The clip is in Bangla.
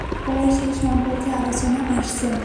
পরে সে সম্পর্কে আলোচনা আসছে।